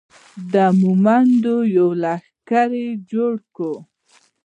د مومندو یو لښکر یې جوړ کړ.